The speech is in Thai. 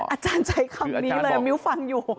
อาจารย์ใช้คำนี้เลยมิ้วฟังอยู่